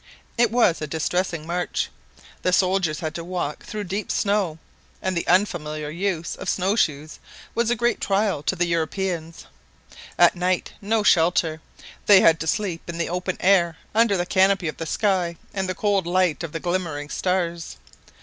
It was a distressing march. The soldiers had to walk through deep snow, and the unfamiliar use of snowshoes was a great trial to the Europeans. At night, no shelter! They had to sleep in the open air, under the canopy of the sky and the cold light of the glimmering stars.